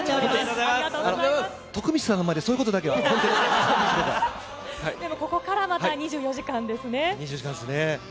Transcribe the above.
徳光さんの前でそういうことでもここからまた２４時間で２４時間ですね。